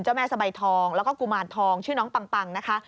เจ้าแม่สบายทองแล้วก็กุมารทองชื่อน้องปังปังนะคะ